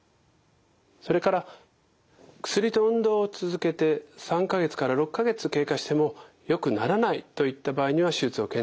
それから薬と運動を続けて３か月から６か月経過してもよくならないといった場合には手術を検討します。